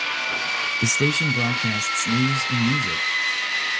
The station broadcasts news and music.